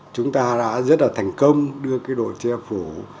chúng ta đã rất là thành công đưa cái đổ chế phủ